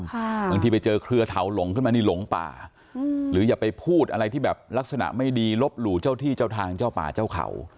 บางทีไปเจอเครือเถาหลงขึ้นมานี่หลงป่าอืมหรืออย่าไปพูดอะไรที่แบบลักษณะไม่ดีลบหลู่เจ้าที่เจ้าทางเจ้าป่าเจ้าเขา